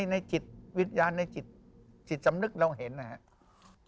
ในจิตวิญญาณในจิตจิตสำนึกเราเห็นนะครับ